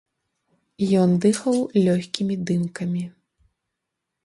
Ён дыхаў лёгкімі дымкамі.